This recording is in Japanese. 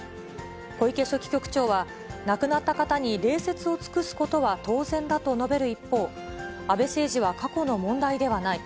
小池書記局長は、亡くなった方に礼節を尽くすことは当然だと述べる一方、安倍政治は過去の問題ではない。